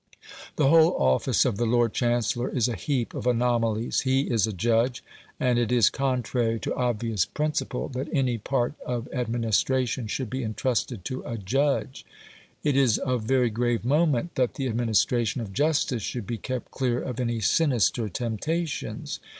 The whole office of the Lord Chancellor is a heap of anomalies. He is a judge, and it is contrary to obvious principle that any part of administration should be entrusted to a judge; it is of very grave moment that the administration of justice should be kept clear of any sinister temptations.